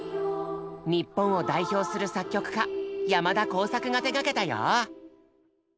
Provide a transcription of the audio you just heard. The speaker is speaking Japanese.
日本を代表する作曲家山田耕筰が手がけたよ。